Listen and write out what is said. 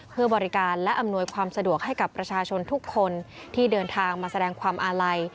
เพื่อบริการและอำนวยความสะดวกให้กับประชาชนทุกคนที่เดินทางมาแสดงความอาลัย